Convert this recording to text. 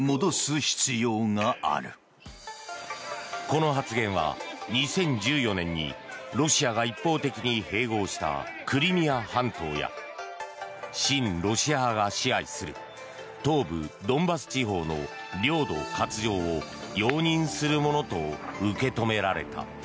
この発言は２０１４年にロシアが一方的に併合したクリミア半島や親ロシア派が支配する東部ドンバス地方の領土割譲を容認するものと受け止められた。